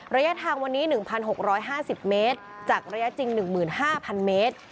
ระยะทางวันนี้๑๖๕๐เมตรจากระยะจริง๑๕๐๐เมตร